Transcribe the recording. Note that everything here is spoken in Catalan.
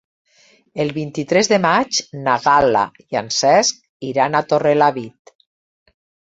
El vint-i-tres de maig na Gal·la i en Cesc iran a Torrelavit.